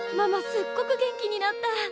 すっごく元気になった！